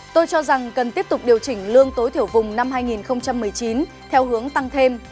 tôi cho rằng cần tiếp tục điều chỉnh lương tối thiểu vùng năm hai nghìn một mươi chín theo hướng tăng thêm